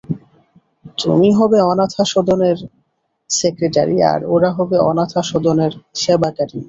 তুমি হবে অনাথাসদনের সেক্রেটারি, আর ওরা হবে অনাথাসদনের সেবাকারিণী।